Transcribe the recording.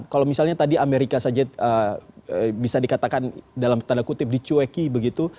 kalau misalnya tadi amerika saja bisa dikatakan dalam tanda kutip dicueki begitu